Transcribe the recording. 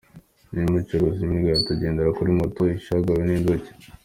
Kenya umucuruzi w’imigati agendera kuri moto ishagawe n’inzuki .